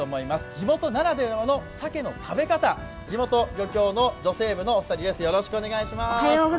地元ならではの鮭の食べ方、地元漁協の女性部のお二人です、おはようございます。